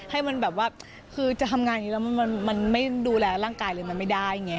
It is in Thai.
ให้มันแบบว่าคือจะทำงานอย่างนี้แล้วมันไม่ดูแลร่างกายเลยมันไม่ได้ไง